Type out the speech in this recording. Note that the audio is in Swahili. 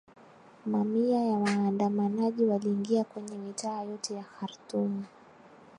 Mamia ya waandamanaji waliingia kwenye mitaa yote ya Khartoum